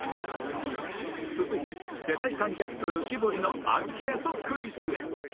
続いて世代間ギャップ浮き彫りのアンケートクイズへ